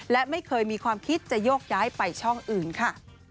และไม่เคยมีความคิดจะโยกย้ายไปช่องอื่นค่ะ